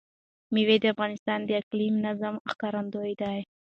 مېوې د افغانستان د اقلیمي نظام ښکارندوی ده.